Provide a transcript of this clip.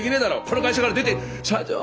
この会社から出て社長。